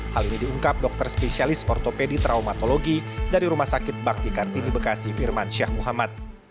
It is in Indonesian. hal ini diungkap dokter spesialis ortopedi traumatologi dari rumah sakit bakti kartini bekasi firman syah muhammad